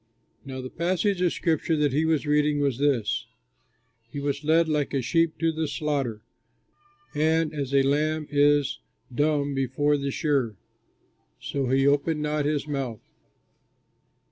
Now the passage of scripture that he was reading was this: "He was led like a sheep to the slaughter, And as a lamb is dumb before the shearer, So he opened not his mouth."